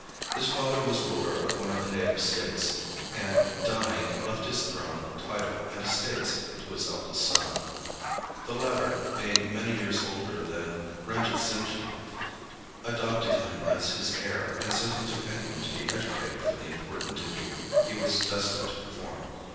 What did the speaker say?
His father was ruler of one of the native states, and dying, left his throne, title and estates to his eldest son. The latter, being many years older than Ranjitsinhji, adopted him as his heir and sent him to England to be educated for the important duty he was destined to perform.